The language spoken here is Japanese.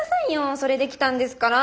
それで来たんですからー。